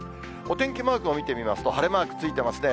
お天気マークを見てみますと、晴れマークついてますね。